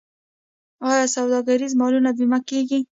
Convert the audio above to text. آیا سوداګریز مالونه بیمه کیږي؟